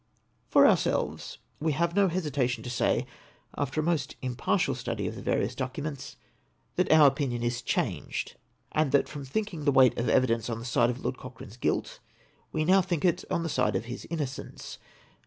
For ourselves, we have no hesitation to say, after a most impartial study of the various documents, that our opinion is changed, and that from thinking the weight of evidence on the side of Lord Cochrane's guilt we now think it on the side of his innocence.